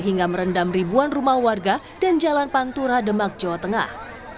hingga merendam ribuan rumah warga dan jalan pantura demak jawa tengah